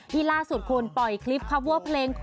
ล่าสุดคุณปล่อยคลิปคาเวอร์เพลง